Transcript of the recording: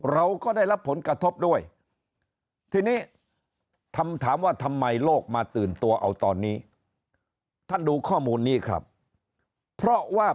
เราก็ได้รับผลกระทบด้วยทีนี้คำถามว่าทำไมโลกมาตื่นตัวเอาตอนนี้ท่านดูข้อมูลนี้ครับเพราะว่า